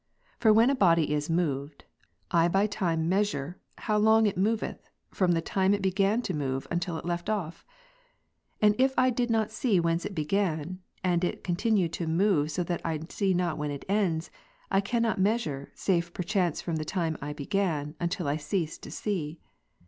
For when a body is moved, I by time measure, how long it moveth, from the time it began to move, until it left off? And if I did not see whence it began ; and it con tinue to move so that I see not when it ends, I cannot measure, save perchance from the time I began, until I cease to see.